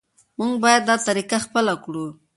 موږ باید دا طریقه خپله کړو.